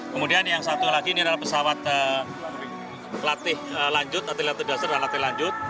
kemudian yang satu lagi ini adalah pesawat latih lanjut atau latih lanjut